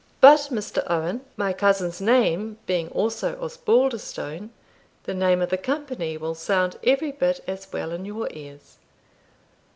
"But, Mr. Owen, my cousin's name being also Osbaldistone, the name of the company will sound every bit as well in your ears."